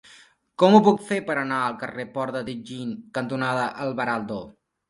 Com ho puc fer per anar al carrer Port de Tianjin cantonada Alvarado?